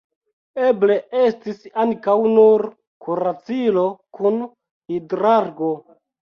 Eble estis ankaŭ nur kuracilo kun hidrargo.